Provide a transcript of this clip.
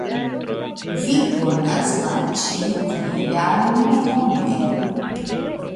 Vi konas la ĉi-tieajn homojn.